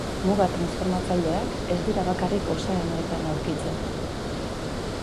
Muga transformatzaileak ez dira bakarrik ozeanoetan aurkitzen.